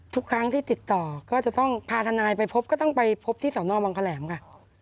ทุกครั้งที่ติดต่อก็จะต้องพาทนายไปพบก็ต้องไปพบที่สอนอบังแคลมค่ะ